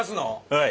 はい。